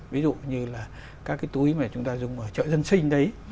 ví dụ như là các cái túi mà chúng ta dùng ở chợ dân sinh đấy